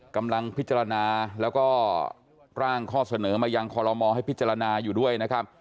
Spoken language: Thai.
กำลังพิจารณาแล้วก็ร่างข้อเสนอมายังคอลโมให้พิจารณาอยู่ด้วยนะครับ